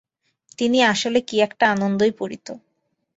তিনি আসিলে কী একটা আনন্দই পড়িত।